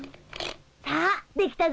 さあできたぞ。